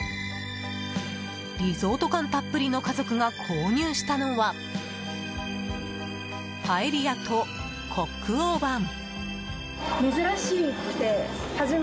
リゾート感たっぷりの家族が購入したのはパエリアとコック・オー・ヴァン。